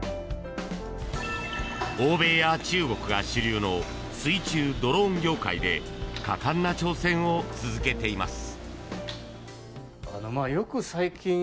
欧米や中国が主流の水中ドローン業界で果敢な挑戦を続けています。